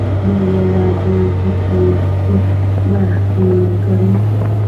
د ګلابو بوټي په باغ کې وکرم؟